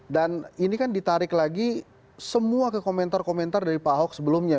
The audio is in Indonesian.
dan ini kan ditarik lagi semua ke komentar komentar dari pak hock sebelumnya